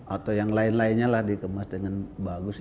atau yang lain lainnya lah dikemas dengan bagus